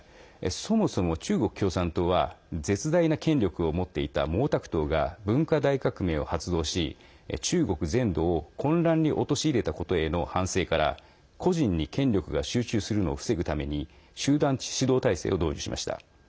そもそも中国共産党は絶大な権力を持っていた毛沢東が文化大革命を発動し、中国全土を混乱に陥れたことへの反省から個人に権力が集中するのを防ぐために集団指導体制を導入しました。